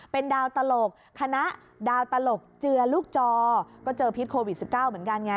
เป็นดาวตลกคณะดาวตลกเจือลูกจอก็เจอพิษโควิด๑๙เหมือนกันไง